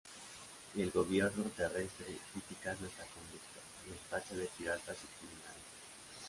Y el gobierno terrestre, criticando esta conducta, los tacha de piratas y criminales.